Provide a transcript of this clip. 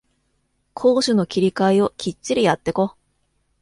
攻守の切り替えをきっちりやってこ